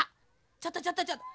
ちょっとちょっとちょっと！